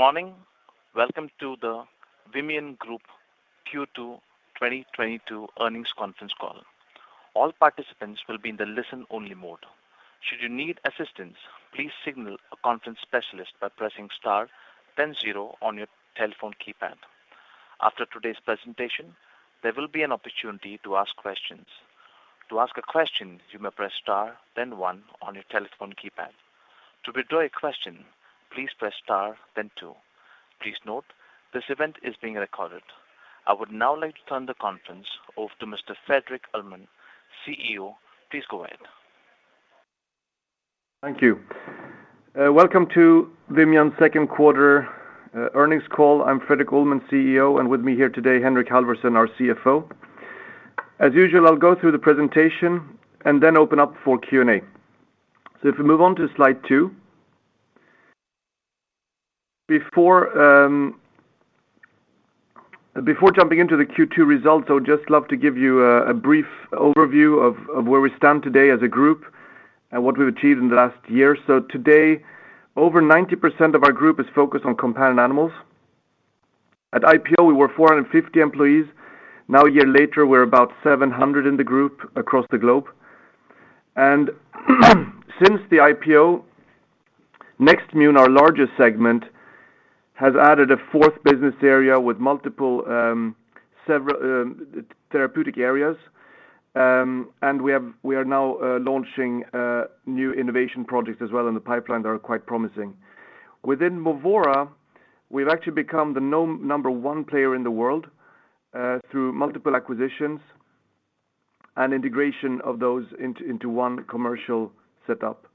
Good morning. Welcome to the Vimian Group Q2 2022 Earnings Conference Call. All participants will be in the listen-only mode. Should you need assistance, please signal a conference specialist by pressing star then zero on your telephone keypad. After today's presentation, there will be an opportunity to ask questions. To ask a question, you may press star then one on your telephone keypad. To withdraw your question, please press star then two. Please note, this event is being recorded. I would now like to turn the conference over to Mr. Fredrik Ullman, CEO. Please go ahead. Thank you. Welcome to Vimian second quarter earnings call. I'm Fredrik Ullman, CEO, and with me here today, Henrik Halvorsen, our CFO. As usual, I'll go through the presentation and then open up for Q&A. If we move on to slide two. Before jumping into the Q2 results, I would just love to give you a brief overview of where we stand today as a group and what we've achieved in the last year. Today, over 90% of our group is focused on companion animals. At IPO, we were 450 employees. Now, a year later, we're about 700 in the group across the globe. Since the IPO, Nextmune, our largest segment, has added a fourth business area with several therapeutic areas. We are now launching new innovation projects as well in the pipeline that are quite promising. Within Movora, we've actually become the number one player in the world through multiple acquisitions and integration of those into one commercial setup.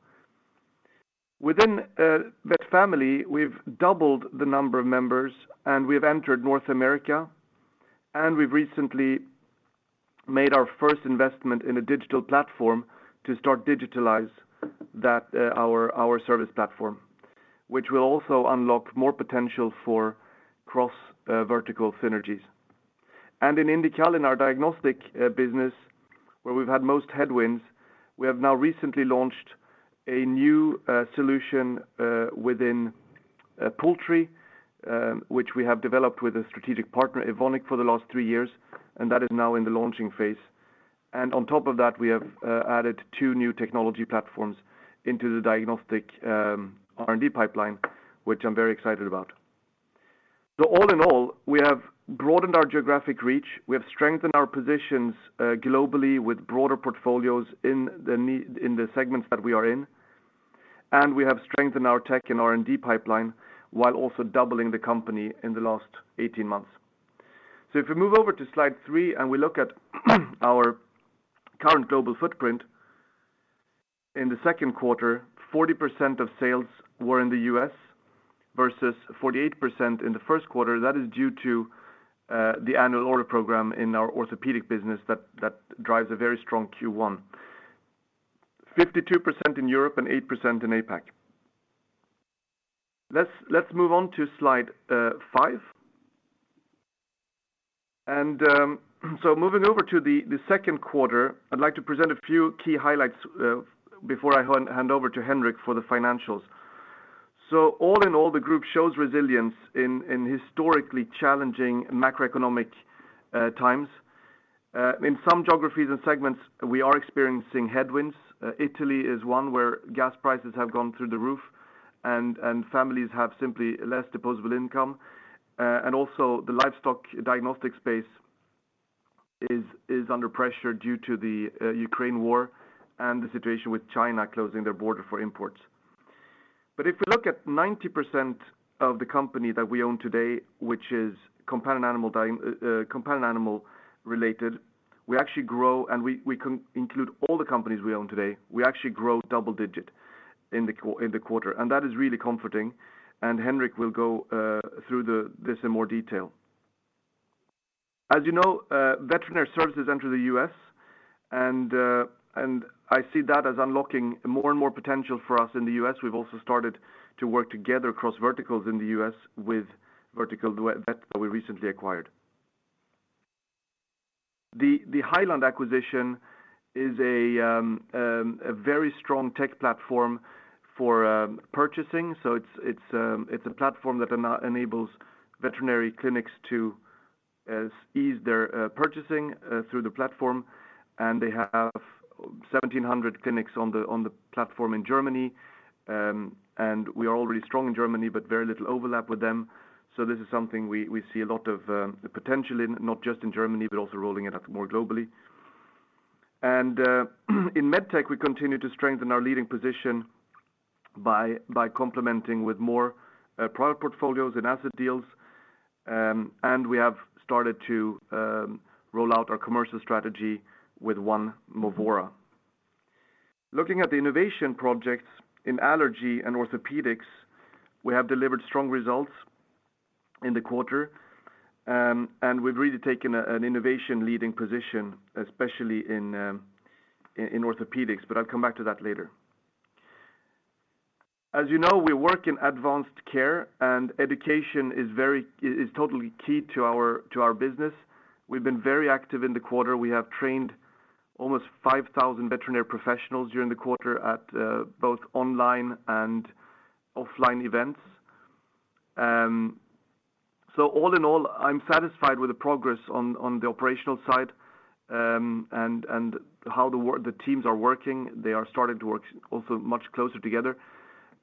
Within VetFamily, we've doubled the number of members, and we've entered North America, and we've recently made our first investment in a digital platform to start digitize our service platform, which will also unlock more potential for cross vertical synergies. In INDICAL, in our diagnostics business, where we've had most headwinds, we have now recently launched a new solution within poultry, which we have developed with a strategic partner, Evonik, for the last three years, and that is now in the launching phase. On top of that, we have added two new technology platforms into the diagnostic R&D pipeline, which I'm very excited about. All in all, we have broadened our geographic reach. We have strengthened our positions globally with broader portfolios in the segments that we are in. We have strengthened our tech and R&D pipeline while also doubling the company in the last 18 months. If we move over to slide three and we look at our current global footprint. In the second quarter, 40% of sales were in the U.S., versus 48% in the first quarter. That is due to the annual order program in our orthopedic business that drives a very strong Q1. 52% in Europe and 8% in APAC. Let's move on to slide five. Moving over to the second quarter, I'd like to present a few key highlights before I hand over to Henrik for the financials. All in all, the group shows resilience in historically challenging macroeconomic times. In some geographies and segments, we are experiencing headwinds. Italy is one where gas prices have gone through the roof and families have simply less disposable income. The livestock diagnostic space is under pressure due to the Ukraine war and the situation with China closing their border for imports. If we look at 90% of the company that we own today, which is companion animal related, we actually grow and include all the companies we own today. We actually grow double-digit in the quarter, and that is really comforting. Henrik will go through this in more detail. As you know, Veterinary Services entered the U.S., and I see that as unlocking more and more potential for us in the U.S. We've also started to work together across verticals in the U.S. with VerticalVet that we recently acquired. The Heiland acquisition is a very strong tech platform for purchasing. So it's a platform that enables veterinary clinics to ease their purchasing through the platform. They have 1,700 clinics on the platform in Germany. We are already strong in Germany, but very little overlap with them. This is something we see a lot of potential in, not just in Germany, but also rolling it out more globally. In MedTech, we continue to strengthen our leading position by complementing with more product portfolios and asset deals. We have started to roll out our commercial strategy with One Movora. Looking at the innovation projects in allergy and orthopedics, we have delivered strong results in the quarter. We've really taken an innovation leading position, especially in orthopedics, but I'll come back to that later. As you know, we work in advanced care, and education is very totally key to our business. We've been very active in the quarter. We have trained almost 5,000 veterinary professionals during the quarter at both online and offline events. All in all, I'm satisfied with the progress on the operational side, and how the teams are working. They are starting to work also much closer together.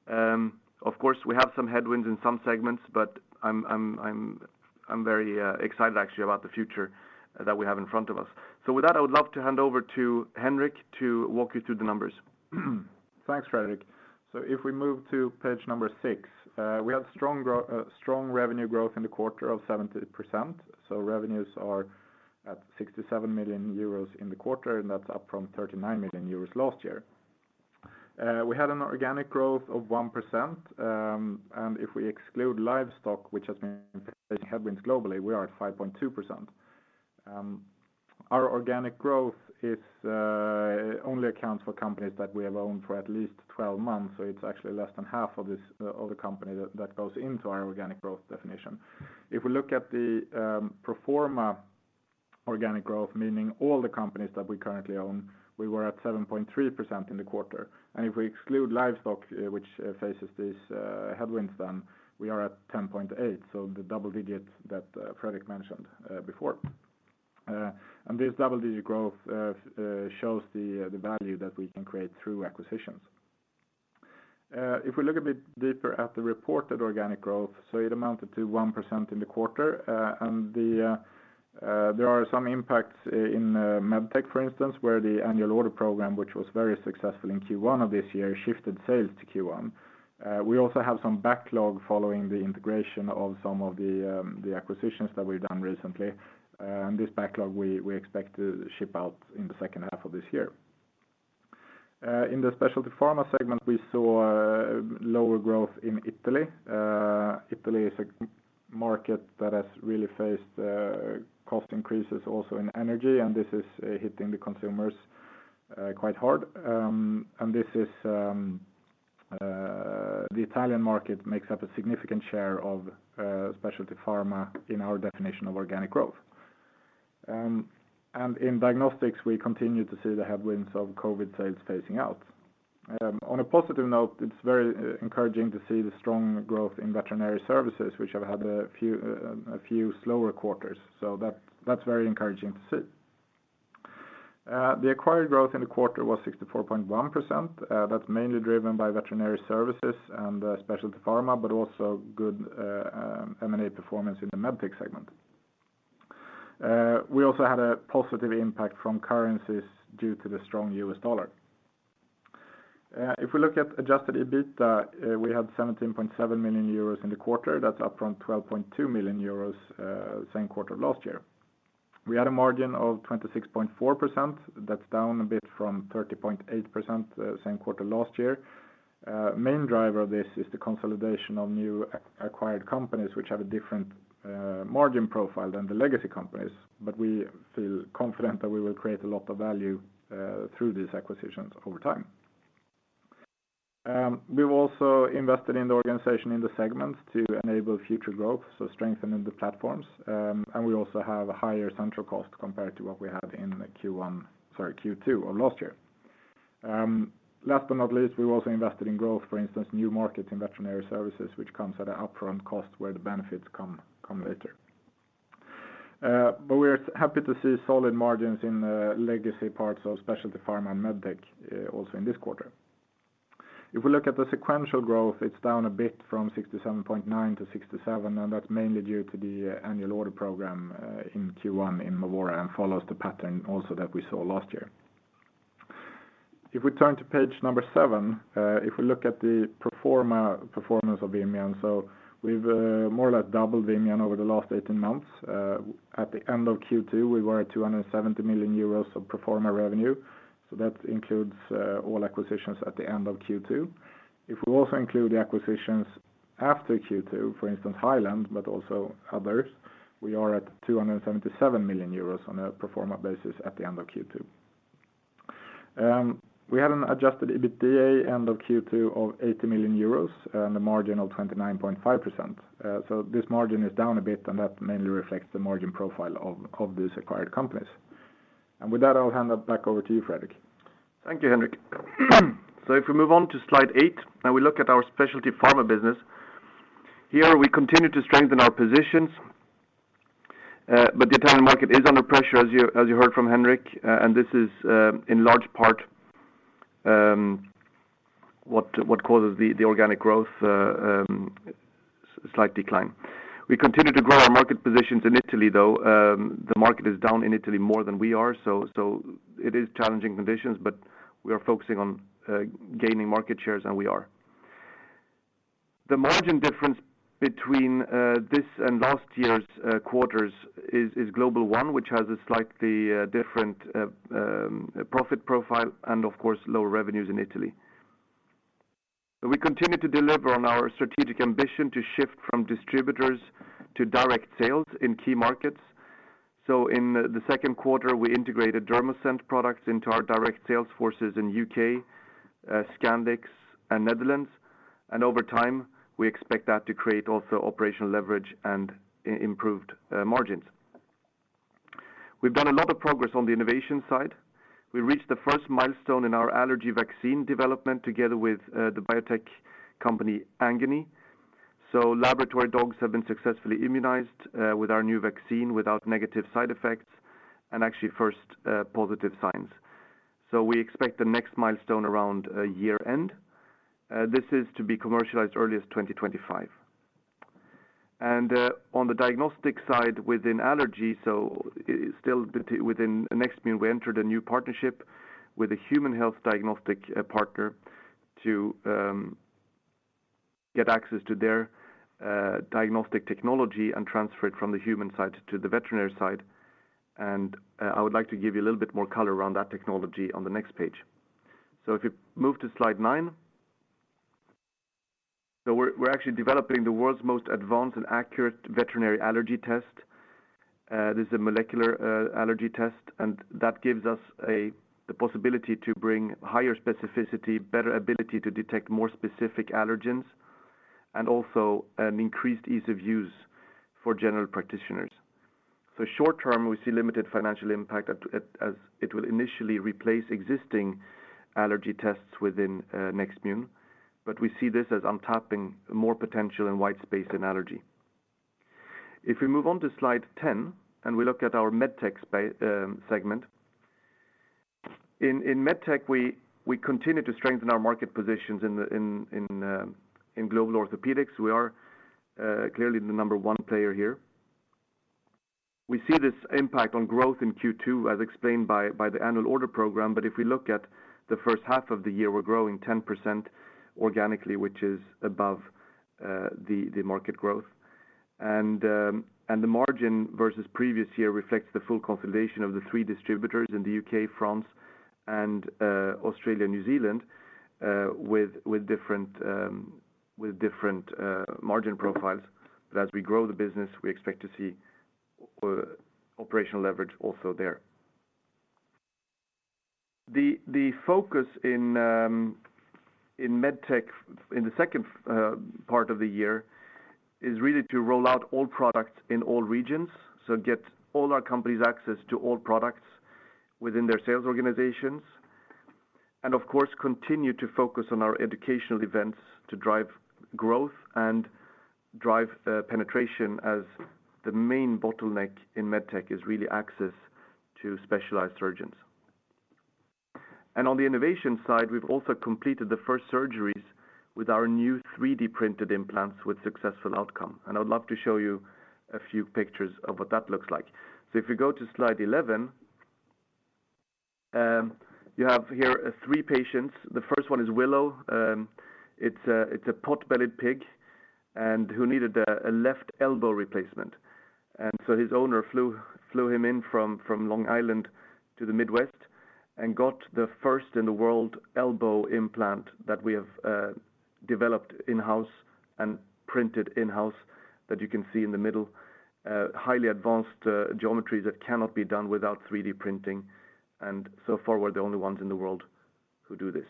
Of course, we have some headwinds in some segments, but I'm very excited actually about the future that we have in front of us. With that, I would love to hand over to Henrik to walk you through the numbers. Thanks, Fredrik. If we move to page six, we have strong revenue growth in the quarter of 70%. Revenues are at 67 million euros in the quarter, and that's up from 39 million euros last year. We had an organic growth of 1%, and if we exclude livestock, which has been facing headwinds globally, we are at 5.2%. Our organic growth only accounts for companies that we have owned for at least 12 months. It's actually less than half of this, of the company that goes into our organic growth definition. If we look at the pro forma organic growth, meaning all the companies that we currently own, we were at 7.3% in the quarter. If we exclude livestock, which faces these headwinds, then we are at 10.8%, so the double digits that Fredrik mentioned before. This double-digit growth shows the value that we can create through acquisitions. If we look a bit deeper at the reported organic growth, so it amounted to 1% in the quarter. There are some impacts in MedTech, for instance, where the annual order program, which was very successful in Q1 of this year, shifted sales to Q1. We also have some backlog following the integration of some of the acquisitions that we've done recently. This backlog, we expect to ship out in the second half of this year. In the Specialty Pharma segment, we saw lower growth in Italy. Italy is a market that has really faced cost increases also in energy, and this is hitting the consumers quite hard. The Italian market makes up a significant share of Specialty Pharma in our definition of organic growth. In diagnostics, we continue to see the headwinds of COVID sales phasing out. On a positive note, it's very encouraging to see the strong growth in Veterinary Services, which have had a few slower quarters. That's very encouraging to see. The acquired growth in the quarter was 64.1%. That's mainly driven by Veterinary Services and Specialty Pharma, but also good M&A performance in the MedTech segment. We also had a positive impact from currencies due to the strong US dollar. If we look at Adjusted EBITDA, we had 17.7 million euros in the quarter. That's up from 12.2 million euros, same quarter last year. We had a margin of 26.4%. That's down a bit from 30.8%, same quarter last year. Main driver of this is the consolidation of new acquired companies which have a different margin profile than the legacy companies. We feel confident that we will create a lot of value through these acquisitions over time. We've also invested in the organization in the segments to enable future growth, so strengthening the platforms. We also have a higher central cost compared to what we had in Q1, sorry, Q2 of last year. Last but not least, we've also invested in growth, for instance, new markets in Veterinary Services, which comes at an upfront cost where the benefits come later. But we are happy to see solid margins in the legacy parts of Specialty Pharma and MedTech, also in this quarter. If we look at the sequential growth, it's down a bit from 67.9% to 67%, and that's mainly due to the annual order program in Q1 in Movora and follows the pattern also that we saw last year. If we turn to page seven, if we look at the pro forma performance of Vimian. We've more or less doubled Vimian over the last 18 months. At the end of Q2, we were at 270 million euros of pro forma revenue. That includes all acquisitions at the end of Q2. If we also include the acquisitions after Q2, for instance, Heiland, but also others, we are at 277 million euros on a pro forma basis at the end of Q2. We had an Adjusted EBITDA end of Q2 of 80 million euros and a margin of 29.5%. This margin is down a bit, and that mainly reflects the margin profile of these acquired companies. With that, I'll hand it back over to you, Fredrik. Thank you, Henrik. If we move on to slide eight, and we look at our Specialty Pharma business. Here, we continue to strengthen our positions, but the Italian market is under pressure, as you heard from Henrik. This is in large part what causes the organic growth slight decline. We continue to grow our market positions in Italy, though, the market is down in Italy more than we are. It is challenging conditions, but we are focusing on gaining market shares, and we are. The margin difference between this and last year's quarters is Global One, which has a slightly different profit profile and of course, lower revenues in Italy. We continue to deliver on our strategic ambition to shift from distributors to direct sales in key markets. In the second quarter, we integrated Dermoscent products into our direct sales forces in U.K., Scandinavia, and Netherlands. Over time, we expect that to create also operational leverage and improved margins. We've done a lot of progress on the innovation side. We reached the first milestone in our allergy vaccine development together with the biotech company, ANGANY. Laboratory dogs have been successfully immunized with our new vaccine without negative side effects and actually first positive signs. We expect the next milestone around year-end. This is to be commercialized early as 2025. On the diagnostic side within allergy, still within Nextmune, we entered a new partnership with a human health diagnostic partner to get access to their diagnostic technology and transfer it from the human side to the veterinary side. I would like to give you a little bit more color around that technology on the next page. If you move to slide nine. We're actually developing the world's most advanced and accurate veterinary allergy test. This is a molecular allergy test, and that gives us the possibility to bring higher specificity, better ability to detect more specific allergens, and also an increased ease of use for general practitioners. Short-term, we see limited financial impact as it will initially replace existing allergy tests within Nextmune. We see this as untapped more potential and white space in allergy. If we move on to slide 10 and we look at our MedTech segment. In MedTech, we continue to strengthen our market positions in global orthopedics. We are clearly the number one player here. We see this impact on growth in Q2 as explained by the annual order program. If we look at the first half of the year, we're growing 10% organically, which is above the market growth. The margin versus previous year reflects the full consolidation of the three distributors in the U.K., France, and Australia, New Zealand, with different margin profiles. As we grow the business, we expect to see operational leverage also there. The focus in MedTech in the second part of the year is really to roll out all products in all regions. Get all our companies access to all products within their sales organizations, and of course, continue to focus on our educational events to drive growth and drive penetration as the main bottleneck in MedTech is really access to specialized surgeons. On the innovation side, we've also completed the first surgeries with our new 3D-printed implants with successful outcome. I would love to show you a few pictures of what that looks like. If you go to slide 11, you have here three patients. The first one is Willow. It's a pot-bellied pig and who needed a left elbow replacement. His owner flew him in from Long Island to the Midwest and got the first-in-the-world elbow implant that we have developed in-house and printed in-house that you can see in the middle, highly advanced geometry that cannot be done without 3D printing. So far, we're the only ones in the world who do this.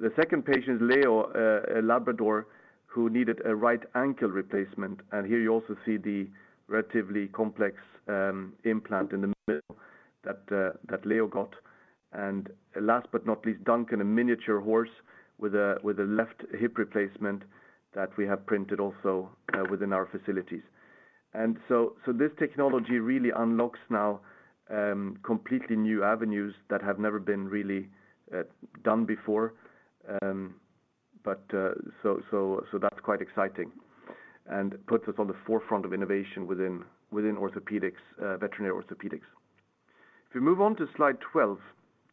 The second patient is Leo, a Labrador, who needed a right ankle replacement. Here you also see the relatively complex implant in the middle that Leo got. Last but not least, Duncan, a miniature horse with a left hip replacement that we have printed also within our facilities. This technology really unlocks now completely new avenues that have never been really done before. That's quite exciting and puts us on the forefront of innovation within veterinary orthopedics. If you move on to slide 12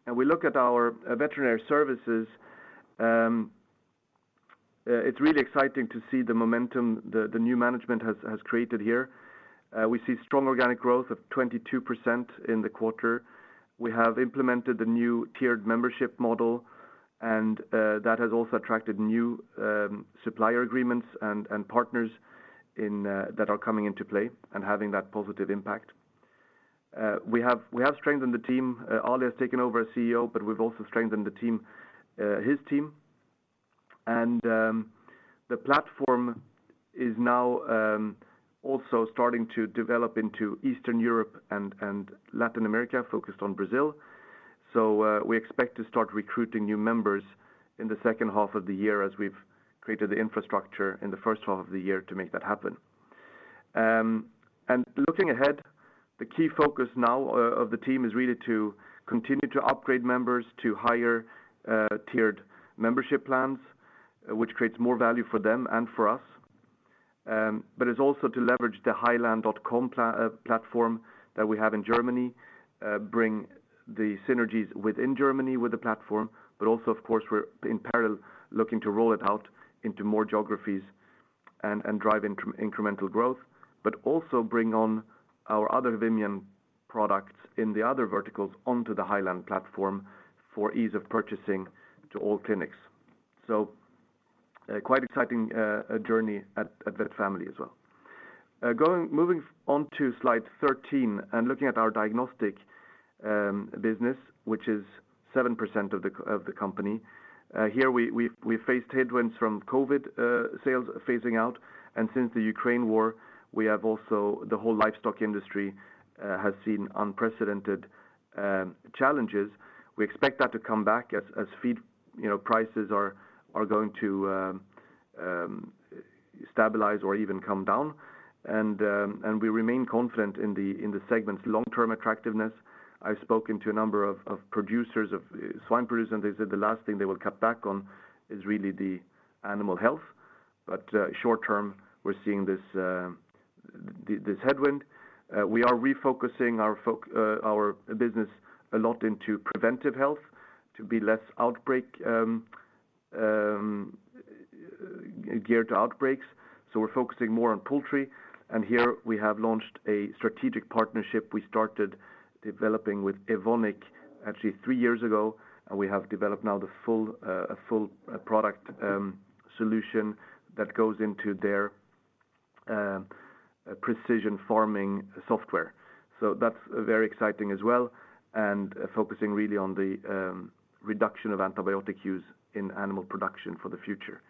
and we look at our Veterinary Services, it's really exciting to see the momentum the new management has created here. We see strong organic growth of 22% in the quarter. We have implemented the new tiered membership model, and that has also attracted new supplier agreements and partners that are coming into play and having that positive impact. We have strengthened the team. Alireza has taken over as CEO, but we've also strengthened the team, his team. The platform is now also starting to develop into Eastern Europe and Latin America, focused on Brazil. We expect to start recruiting new members in the second half of the year as we've created the infrastructure in the first half of the year to make that happen. Looking ahead, the key focus now of the team is really to continue to upgrade members to higher tiered membership plans, which creates more value for them and for us. It's also to leverage the heiland.com platform that we have in Germany, bring the synergies within Germany with the platform. Of course, we're in parallel looking to roll it out into more geographies and drive incremental growth, but also bring on our other Vimian products in the other verticals onto the Heiland platform for ease of purchasing to all clinics. Quite exciting journey at VetFamily as well. Moving on to slide 13 and looking at our diagnostics business, which is 7% of the company, here we faced headwinds from COVID, sales phasing out. Since the Ukraine war, the whole livestock industry has seen unprecedented challenges. We expect that to come back as feed, you know, prices are going to stabilize or even come down. We remain confident in the segment's long-term attractiveness. I've spoken to a number of swine producers, and they said the last thing they will cut back on is really the animal health. Short-term, we're seeing this headwind. We are refocusing our business a lot into preventive health to be less outbreak geared to outbreaks. We're focusing more on poultry, and here we have launched a strategic partnership we started developing with Evonik actually three years ago, and we have developed now a full product solution that goes into their precision farming software. That's very exciting as well and focusing really on the reduction of antibiotic use in animal production for the future.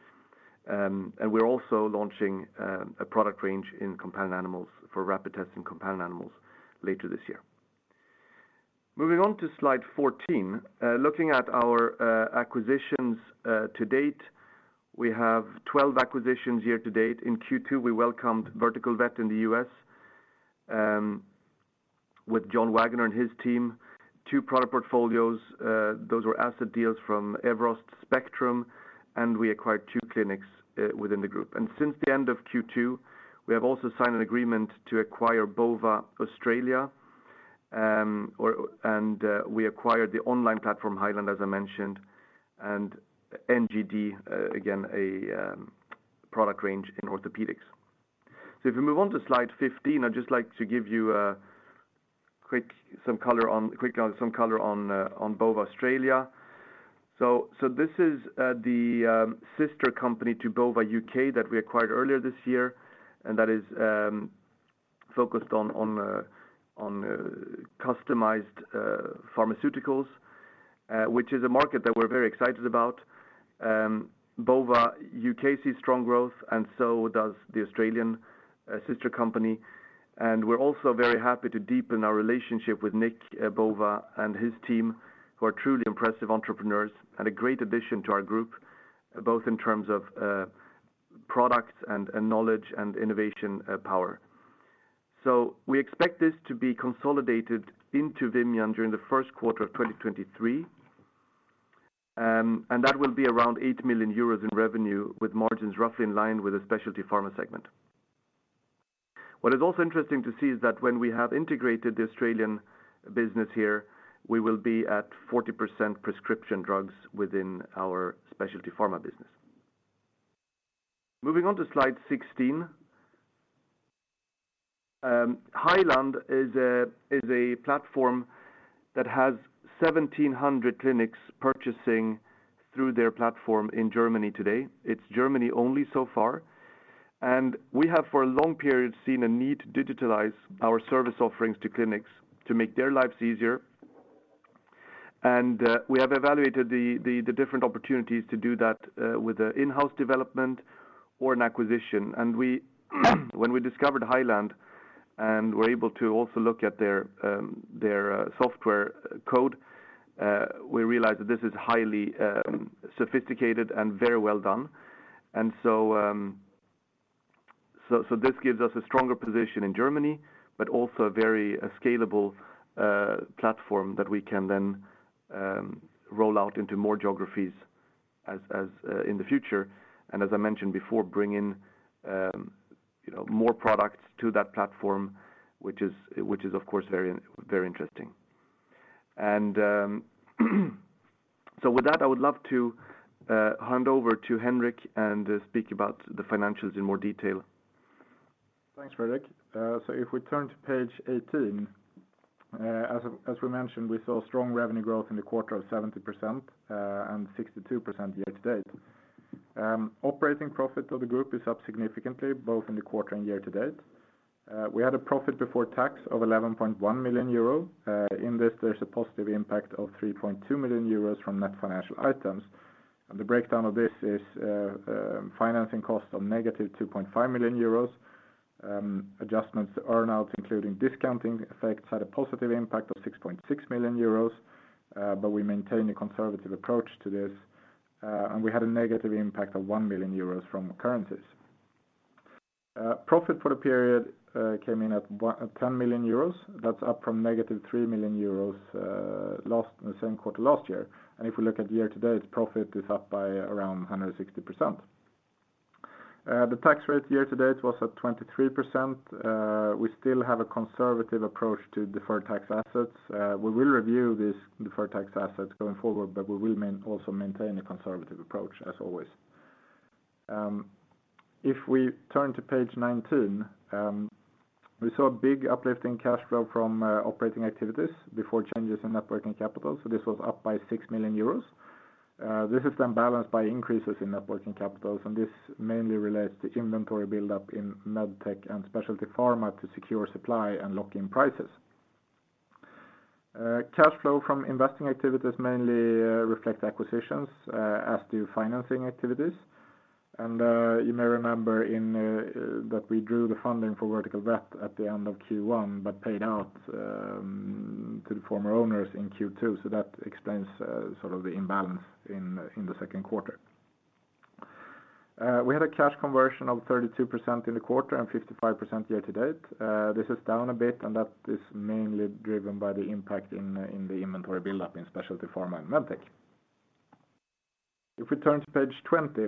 We're also launching a product range in companion animals for rapid tests in companion animals later this year. Moving on to slide 14, looking at our acquisitions to date, we have 12 acquisitions year-to-date. In Q2, we welcomed VerticalVet in the U.S. with John Wagner and his team, two product portfolios, those were asset deals from Everost and Spectrum, and we acquired two clinics within the group. Since the end of Q2, we have also signed an agreement to acquire BOVA Australia and we acquired the online platform Heiland, as I mentioned, and NGD, again, a product range in orthopedics. If we move on to slide 15, I'd just like to give you a quick some color on BOVA Australia. This is the sister company to BOVA UK that we acquired earlier this year, and that is focused on customized pharmaceuticals, which is a market that we're very excited about. BOVA UK sees strong growth, and so does the Australian sister company. We're also very happy to deepen our relationship with Nick BOVA and his team, who are truly impressive entrepreneurs and a great addition to our group, both in terms of products and knowledge and innovation power. We expect this to be consolidated into Vimian during the first quarter of 2023. That will be around 8 million euros in revenue, with margins roughly in line with the Specialty Pharma segment. What is also interesting to see is that when we have integrated the Australian business here, we will be at 40% prescription drugs within our Specialty Pharma business. Moving on to slide 16. Heiland is a platform that has 1,700 clinics purchasing through their platform in Germany today. It's Germany only so far. We have for a long period seen a need to digitalize our service offerings to clinics to make their lives easier. We have evaluated the different opportunities to do that with an in-house development or an acquisition. We, when we discovered Heiland and were able to also look at their software code, we realized that this is highly sophisticated and very well done. This gives us a stronger position in Germany, but also a very scalable platform that we can then roll out into more geographies in the future. As I mentioned before, bring in you know more products to that platform, which is of course very interesting. With that, I would love to hand over to Henrik and speak about the financials in more detail. Thanks, Fredrik. If we turn to page 18, as we mentioned, we saw strong revenue growth in the quarter of 70%, and 62% year-to-date. Operating profit of the group is up significantly, both in the quarter and year-to-date. We had a profit before tax of 11.1 million euro. In this, there's a positive impact of 3.2 million euros from net financial items. The breakdown of this is financing costs of -2.5 million euros. Adjustments to earn-outs including discounting effects had a positive impact of 6.6 million euros, but we maintain a conservative approach to this. We had a negative impact of 1 million euros from currencies. Profit for the period came in at 10 million euros. That's up from -3 million euros, the same quarter last year. If we look at year-to-date, profit is up by around 160%. The tax rate year-to-date was at 23%. We still have a conservative approach to deferred tax assets. We will review these deferred tax assets going forward, but we will also maintain a conservative approach as always. If we turn to page 19, we saw a big uplift in cash flow from operating activities before changes in working capital. This was up by 6 million euros. This is then balanced by increases in working capital, and this mainly relates to inventory buildup in MedTech and Specialty Pharma to secure supply and lock in prices. Cash flow from investing activities mainly reflect acquisitions, as do financing activities. You may remember that we drew the funding for VerticalVet at the end of Q1, but paid out to the former owners in Q2. That explains sort of the imbalance in the second quarter. We had a cash conversion of 32% in the quarter and 55% year-to-date. This is down a bit, and that is mainly driven by the impact in the inventory buildup in Specialty Pharma and MedTech. If we turn to page 20,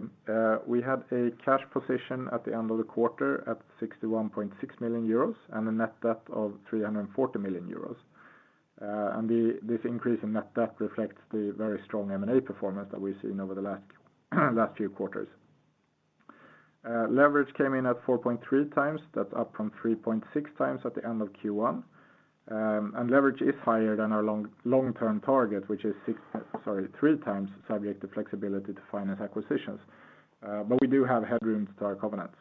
we had a cash position at the end of the quarter at 61.6 million euros and a net debt of 340 million euros. This increase in net debt reflects the very strong M&A performance that we've seen over the last few quarters. Leverage came in at 4.3x. That's up from 3.6x at the end of Q1. Leverage is higher than our long-term target, which is 3x subject to flexibility to finance acquisitions. But we do have headroom to our covenants.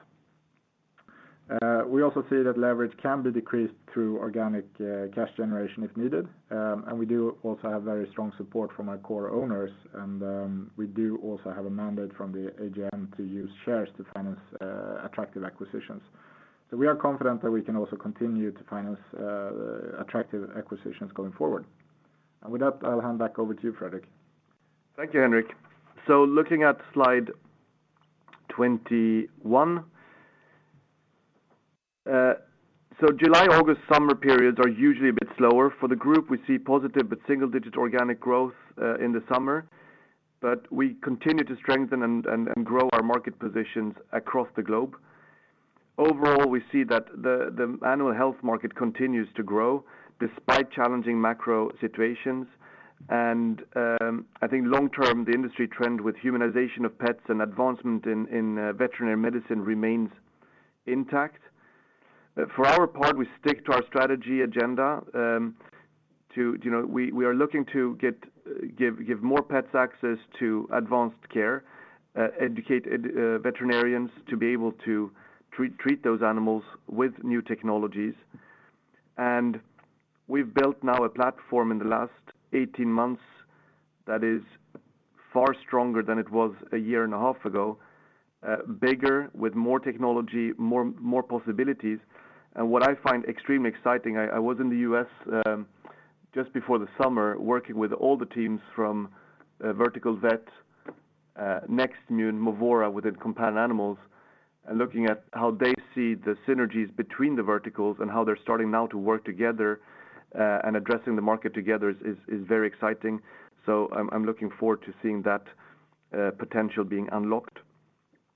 We also see that leverage can be decreased through organic cash generation if needed. We do also have very strong support from our core owners, and we do also have a mandate from the AGM to use shares to finance attractive acquisitions. We are confident that we can also continue to finance attractive acquisitions going forward. With that, I'll hand back over to you, Fredrik. Thank you, Henrik. Looking at slide 21. July, August summer periods are usually a bit slower. For the group, we see positive but single-digit organic growth in the summer, but we continue to strengthen and grow our market positions across the globe. Overall, we see that the animal health market continues to grow despite challenging macro situations. I think long-term, the industry trend with humanization of pets and advancement in veterinary medicine remains intact. For our part, we stick to our strategy agenda, you know, to give more pets access to advanced care, educate veterinarians to be able to treat those animals with new technologies. We've built now a platform in the last 18 months that is far stronger than it was a year and a half ago, bigger with more technology, more possibilities. What I find extremely exciting, I was in the U.S. just before the summer working with all the teams from Vertical Vet, Nextmune, Movora within Companion Animals, and looking at how they see the synergies between the verticals and how they're starting now to work together, and addressing the market together is very exciting. I'm looking forward to seeing that potential being unlocked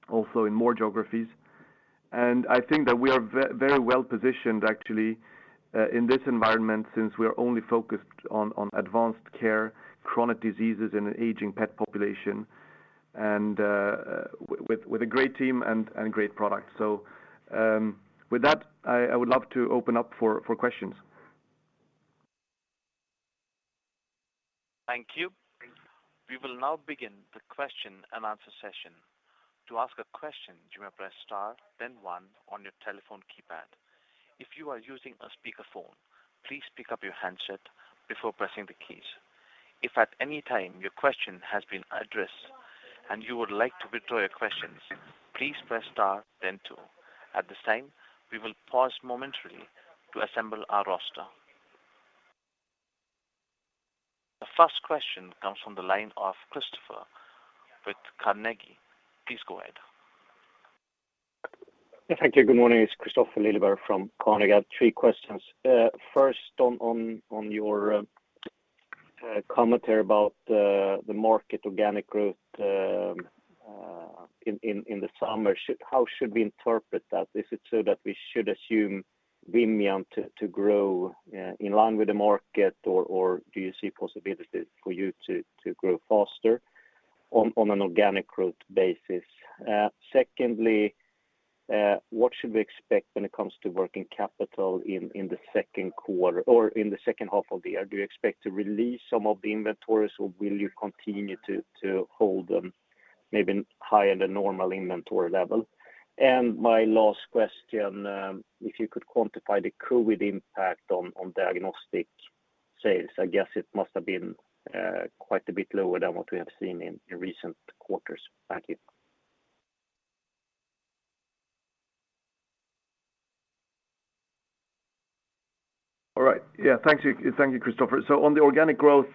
also in more geographies. I think that we are very well positioned actually in this environment since we are only focused on advanced care, chronic diseases in an aging pet population and with a great team and great products. With that, I would love to open up for questions. Thank you. We will now begin the question and answer session. To ask a question, you may press star then one on your telephone keypad. If you are using a speakerphone, please pick up your handset before pressing the keys. If at any time your question has been addressed and you would like to withdraw your questions, please press star then two. At this time, we will pause momentarily to assemble our roster. The first question comes from the line of Kristofer with Carnegie. Please go ahead. Yeah, thank you. Good morning. It's Kristofer Liljeberg from Carnegie. I have three questions. First on your commentary about the market organic growth in the summer. How should we interpret that? Is it so that we should assume Vimian to grow in line with the market or do you see possibilities for you to grow faster on an organic growth basis? Secondly, what should we expect when it comes to working capital in the second quarter or in the second half of the year? Do you expect to release some of the inventories or will you continue to hold them maybe higher than normal inventory level? My last question, if you could quantify the COVID impact on diagnostic sales. I guess it must have been quite a bit lower than what we have seen in recent quarters. Thank you. All right. Yeah. Thank you. Thank you, Kristofer. On the organic growth,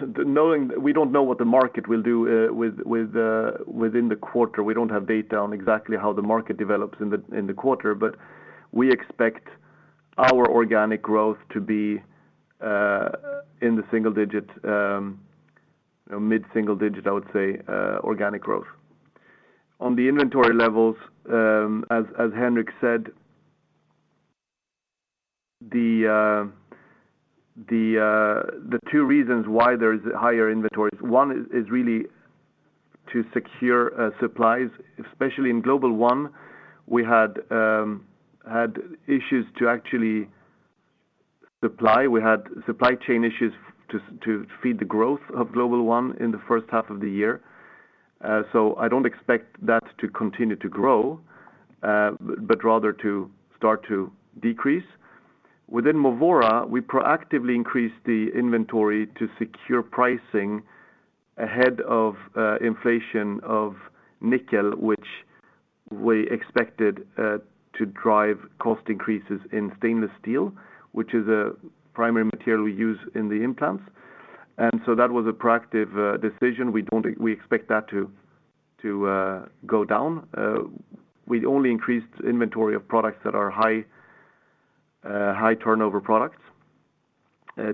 knowing that we don't know what the market will do within the quarter. We don't have data on exactly how the market develops in the quarter, but we expect our organic growth to be in the single digits, you know, mid-single digit, I would say, organic growth. On the inventory levels, as Henrik said. The two reasons why there is higher inventories, one is really to secure supplies, especially in Global One, we had issues to actually supply. We had supply chain issues to feed the growth of Global One in the first half of the year. I don't expect that to continue to grow, but rather to start to decrease. Within Movora, we proactively increased the inventory to secure pricing ahead of inflation of nickel, which we expected to drive cost increases in stainless steel, which is a primary material we use in the implants. That was a proactive decision. We expect that to go down. We only increased inventory of products that are high turnover products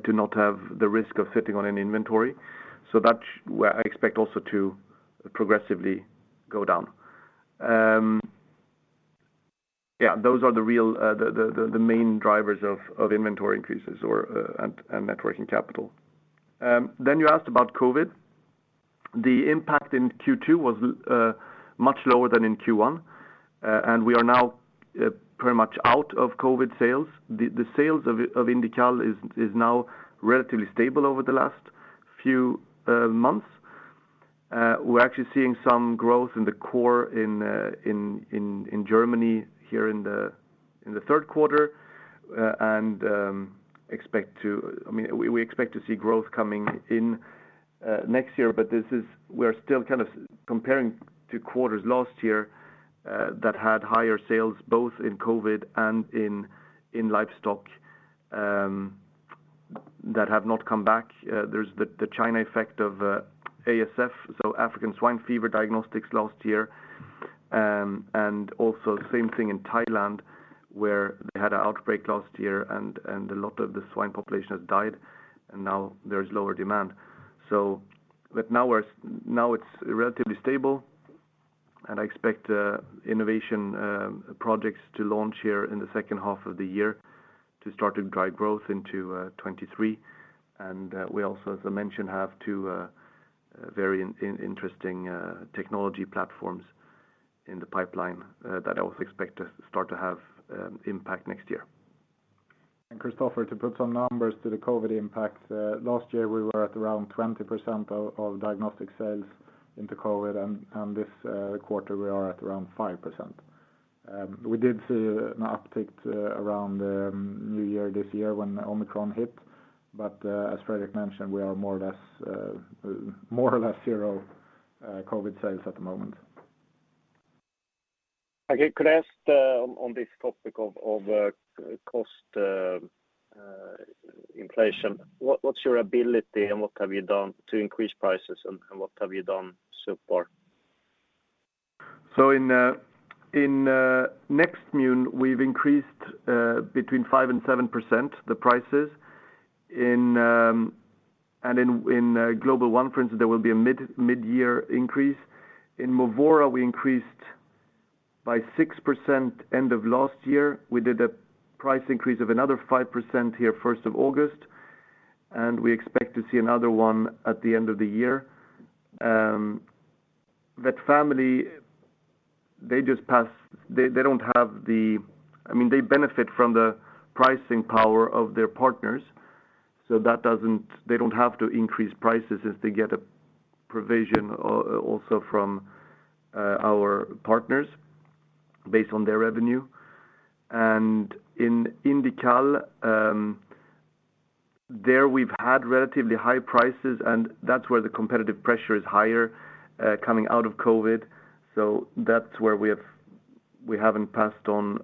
to not have the risk of sitting on any inventory. That I expect also to progressively go down. Those are the real the main drivers of inventory increases or and net working capital. You asked about COVID. The impact in Q2 was much lower than in Q1. We are now pretty much out of COVID sales. The sales of INDICAL is now relatively stable over the last few months. We're actually seeing some growth in the core in Germany here in the third quarter, and I mean, we expect to see growth coming in next year, but this is. We're still kind of comparing to quarters last year that had higher sales, both in COVID and in livestock that have not come back. There's the China effect of ASF, so African Swine Fever diagnostics last year. And also same thing in Thailand, where they had an outbreak last year and a lot of the swine population has died, and now there's lower demand. Now it's relatively stable, and I expect innovation projects to launch here in the second half of the year to start to drive growth into 2023. We also, as I mentioned, have two very interesting technology platforms in the pipeline that I also expect to start to have impact next year. Kristofer, to put some numbers to the COVID impact. Last year, we were at around 20% of diagnostic sales into COVID, and this quarter we are at around 5%. We did see an uptick around New Year this year when Omicron hit. As Fredrik mentioned, we are more or less zero COVID sales at the moment. Okay. Could I ask on this topic of cost inflation? What's your visibility and what have you done to increase prices and what have you done so far? In Nextmune, we've increased between 5% and 7% the prices. In Global One for instance, there will be a mid-year increase. In Movora, we increased by 6% end of last year. We did a price increase of another 5% here, first of August, and we expect to see another one at the end of the year. VetFamily, I mean, they benefit from the pricing power of their partners. That doesn't. They don't have to increase prices since they get a provision also from our partners based on their revenue. In INDICAL, there we've had relatively high prices, and that's where the competitive pressure is higher coming out of COVID. That's where we haven't passed on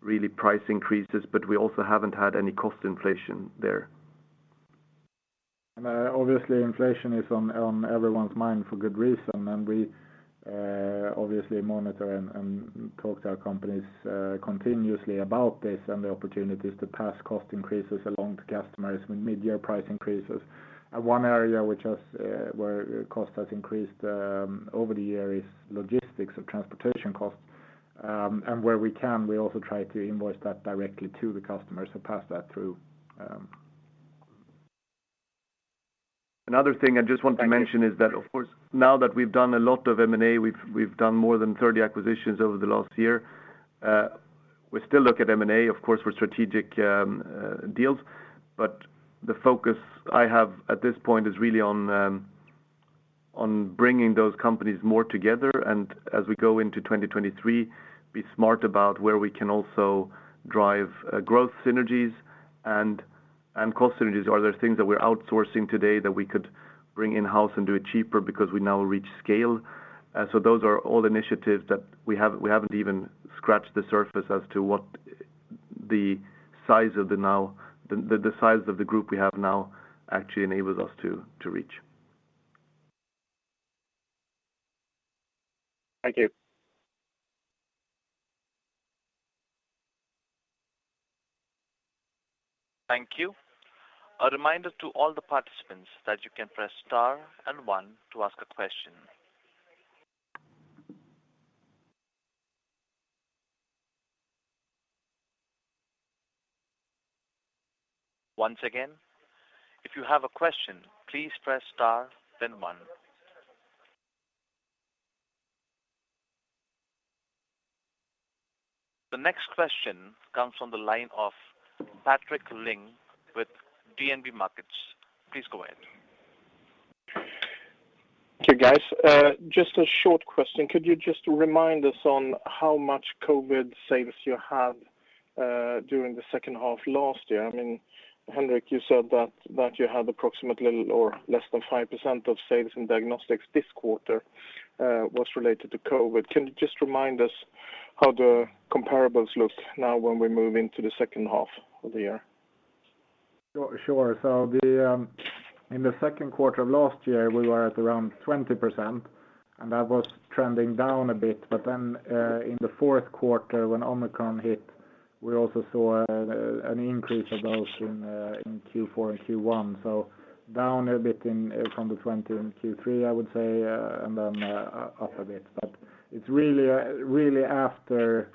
really price increases, but we also haven't had any cost inflation there. Obviously inflation is on everyone's mind for good reason. We obviously monitor and talk to our companies continuously about this and the opportunities to pass cost increases along to customers with midyear price increases. One area where cost has increased over the year is logistics of transportation costs. Where we can, we also try to invoice that directly to the customer, so pass that through. Another thing I just want to mention is that, of course, now that we've done a lot of M&A, we've done more than 30 acquisitions over the last year. We still look at M&A, of course, for strategic deals, but the focus I have at this point is really on bringing those companies more together, and as we go into 2023, be smart about where we can also drive growth synergies and cost synergies. Are there things that we're outsourcing today that we could bring in-house and do it cheaper because we now reach scale? So those are all initiatives that we have. We haven't even scratched the surface as to what the size of the group we have now actually enables us to reach. Thank you. Thank you. A reminder to all the participants that you can press star and one to ask a question. Once again, if you have a question, please press star, then one. The next question comes from the line of Patrik Ling with DNB Markets. Please go ahead. Okay, guys, just a short question. Could you just remind us on how much COVID sales you had during the second half last year? I mean, Henrik, you said that you had approximately or less than 5% of sales in diagnostics this quarter was related to COVID. Can you just remind us how the comparables look now when we move into the second half of the year? Sure. In the second quarter of last year, we were at around 20%, and that was trending down a bit. In the fourth quarter when Omicron hit, we also saw an increase of those in Q4 and Q1. Down a bit from the 20% in Q3, I would say, and then up a bit. It's really after,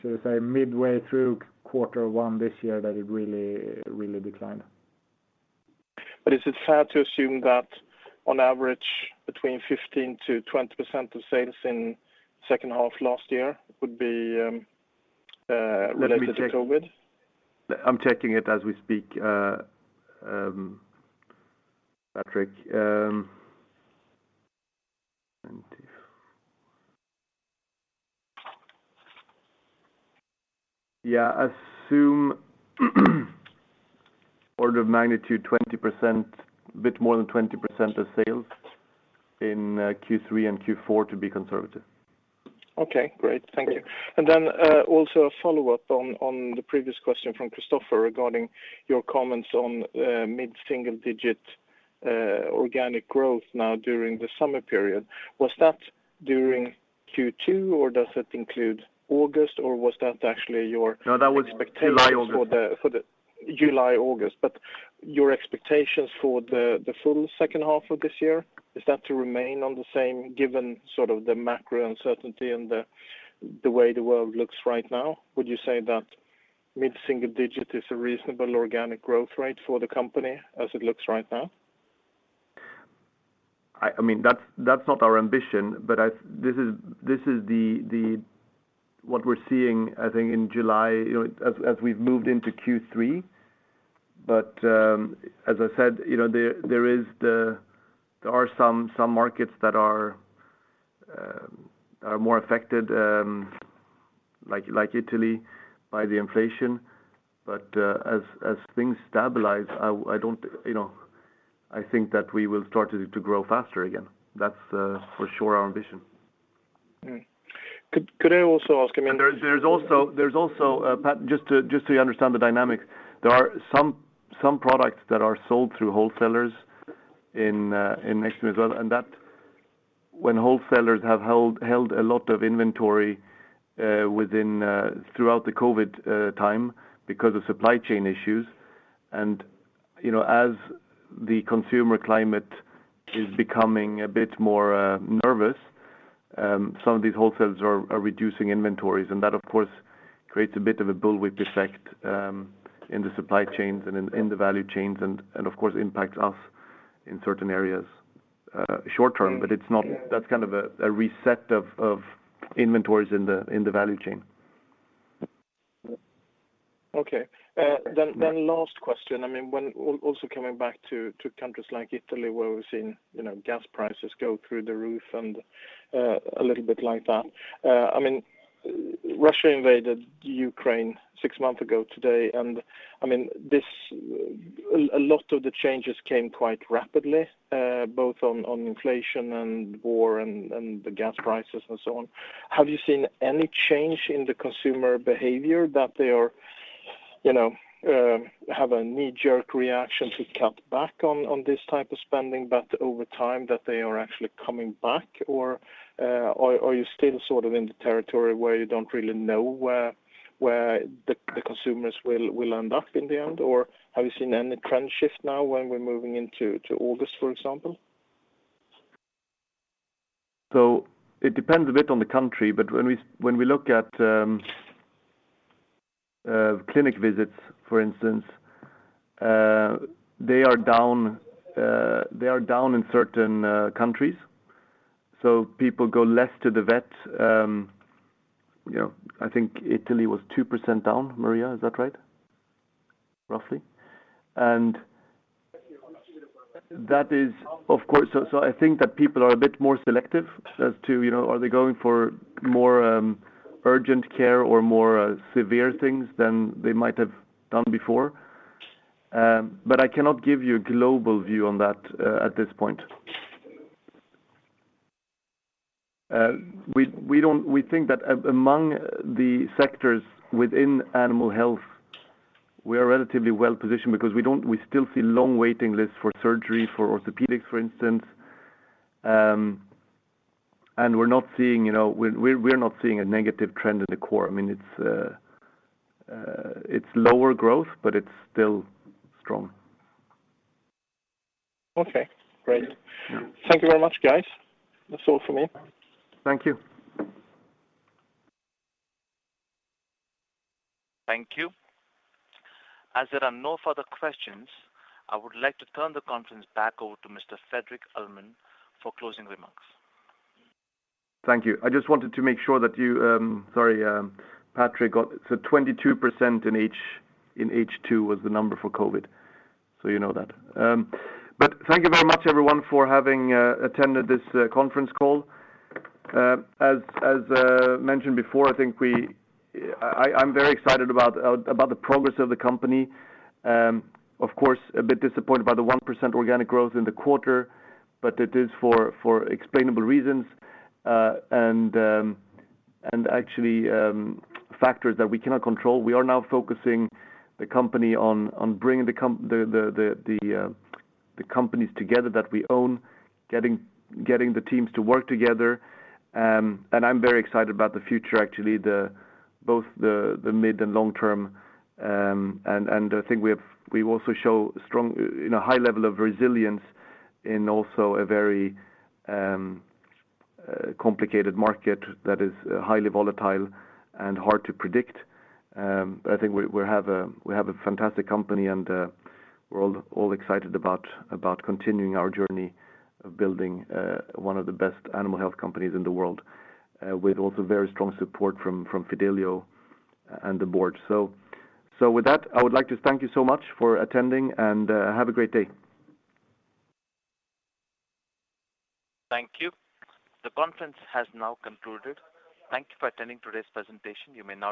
should I say, midway through quarter one this year that it really declined. Is it fair to assume that on average between 15%-20% of sales in second half last year would be related to COVID? Let me check. I'm checking it as we speak, Patrik. Yeah, assume order of magnitude 20%, a bit more than 20% of sales in Q3 and Q4 to be conservative. Okay, great. Thank you. Also a follow-up on the previous question from Kristofer regarding your comments on mid-single digit organic growth now during the summer period. Was that during Q2, or does it include August, or was that actually your expectations for the? No, that was July, August. July, August. Your expectations for the full second half of this year, is that to remain on the same, given sort of the macro uncertainty and the way the world looks right now? Would you say that mid-single digit is a reasonable organic growth rate for the company as it looks right now? I mean, that's not our ambition, but this is what we're seeing, I think, in July, you know, as we've moved into Q3. As I said, you know, there are some markets that are more affected, like Italy, by the inflation. As things stabilize, I don't, you know, I think that we will start to grow faster again. That's for sure our ambition. Could I also ask, I mean? There's also just so you understand the dynamics, there are some products that are sold through wholesalers in Mexico as well. That when wholesalers have held a lot of inventory within throughout the COVID time because of supply chain issues, and you know, as the consumer climate is becoming a bit more nervous, some of these wholesalers are reducing inventories. That, of course, creates a bit of a bullwhip effect in the supply chains and in the value chains and of course impacts us in certain areas short-term. That's kind of a reset of inventories in the value chain. Okay. Last question. I mean, also coming back to countries like Italy, where we've seen, you know, gas prices go through the roof and a little bit like that. I mean, Russia invaded Ukraine six months ago today, and I mean, this, a lot of the changes came quite rapidly, both on inflation and war and the gas prices and so on. Have you seen any change in the consumer behavior that they are, you know, have a knee-jerk reaction to cut back on this type of spending, but over time that they are actually coming back? Are you still sort of in the territory where you don't really know where the consumers will end up in the end? Have you seen any trend shift now when we're moving into August, for example? It depends a bit on the country, but when we look at clinic visits, for instance, they are down in certain countries, so people go less to the vet. You know, I think Italy was 2% down. Alireza, is that right? Roughly. That is, of course. I think that people are a bit more selective as to, you know, are they going for more urgent care or more severe things than they might have done before. I cannot give you a global view on that at this point. We think that among the sectors within animal health, we are relatively well-positioned because we still see long waiting lists for surgery, for orthopedics, for instance. We're not seeing, you know, a negative trend in the core. I mean, it's lower growth, but it's still strong. Okay, great. Thank you very much, guys. That's all for me. Thank you. Thank you. As there are no further questions, I would like to turn the conference back over to Mr. Fredrik Ullman for closing remarks. Thank you. I just wanted to make sure that you, sorry, Patrik. 22% in H2 was the number for COVID, so you know that. Thank you very much everyone for having attended this conference call. As mentioned before, I think I'm very excited about the progress of the company. Of course, a bit disappointed by the 1% organic growth in the quarter, but it is for explainable reasons. Actually, factors that we cannot control. We are now focusing the company on bringing the companies together that we own, getting the teams to work together. I'm very excited about the future, actually, both the mid and long-term. I think we also show strong, you know, high level of resilience in also a very complicated market that is highly volatile and hard to predict. I think we have a fantastic company and we're all excited about continuing our journey of building one of the best animal health companies in the world with also very strong support from Fidelio and the board. With that, I would like to thank you so much for attending and have a great day. Thank you. The conference has now concluded. Thank you for attending today's presentation. You may disconnect.